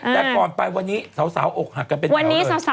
ความปลายวันนี้สาวอกหักกันเป็นแบบเลย